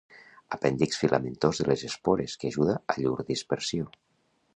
Apèndix filamentós de les espores que ajuda a llur dispersió.